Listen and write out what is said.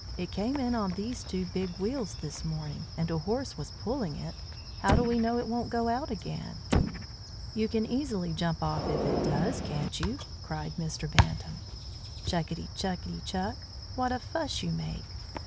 "It came in on these two big wheels this morning, and a horse was pulling it. How do we know it won't go out again?" "You can easily jump off if it does, can't you?" cried Mr. Bantam. "Chukitty chukitty chuk! What a fuss you make!